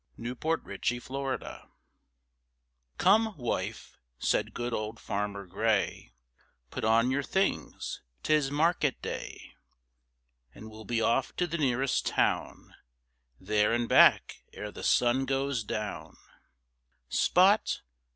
THE DOG UNDER THE WAGON "Come, wife," said good old farmer Gray, "Put on your things, 'tis market day, And we'll be off to the nearest town, There and back ere the sun goes down. Spot?